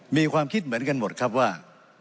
มีความคิดเหมือนกันหมดครับว่า